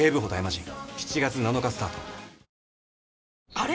あれ？